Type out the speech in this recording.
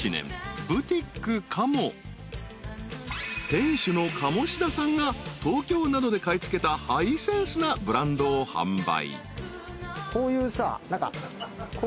［店主の鴨志田さんが東京などで買い付けたハイセンスなブランドを販売］